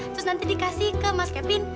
terus nanti dikasih ke mas kevin